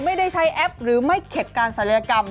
ไม่ได้ใช้แอปหรือไม่เข็บการศัลยกรรม